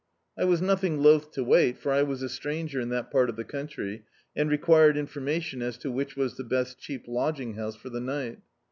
I was nothing loth to wait, for I was a stranger in that part of the country, and required information as to which was the best cheap lodging house for the night.